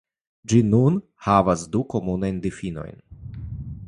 Ĝi nun havas du komunajn difinojn.